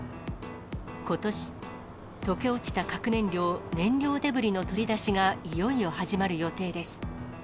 ことし、溶け落ちた核燃料、燃料デブリの取り出しがいよいよ始まる予定です。